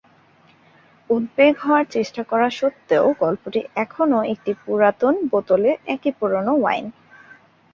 উদ্বেগ হওয়ার চেষ্টা করা সত্ত্বেও, গল্পটি এখনও একটি পুরাতন বোতলে একই পুরানো ওয়াইন।